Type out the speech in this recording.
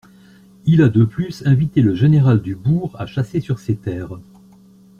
Il a, de plus, invité le général du Bourg à chasser sur ses terres.